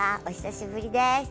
お久しぶりです！